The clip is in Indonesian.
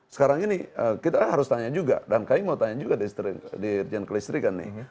sekarang ini kita harus tanya juga dan kami mau tanya juga dirjen kelistrikan nih